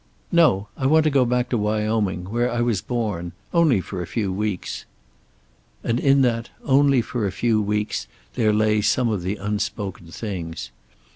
"No. I want to go back to Wyoming. Where I was born. Only for a few weeks." And in that "only for a few weeks" there lay some of the unspoken things.